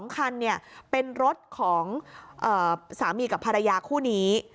๒คันเป็นรถของสามีกับภรรยาคู่นี้